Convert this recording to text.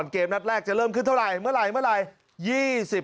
เกมนัดแรกจะเริ่มขึ้นเท่าไหร่เมื่อไหร่เมื่อไหร่